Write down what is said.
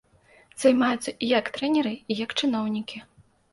Займаюцца і як трэнеры, і як чыноўнікі.